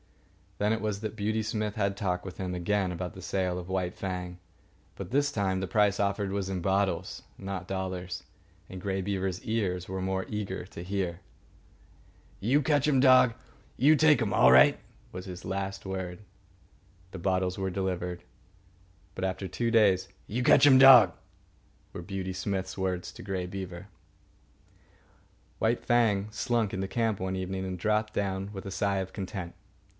Then it was that Beauty Smith had talk with him again about the sale of White Fang; but this time the price offered was in bottles, not dollars, and Grey Beaver's ears were more eager to hear. "You ketch um dog you take um all right," was his last word. The bottles were delivered, but after two days. "You ketch um dog," were Beauty Smith's words to Grey Beaver. White Fang slunk into camp one evening and dropped down with a sigh of content.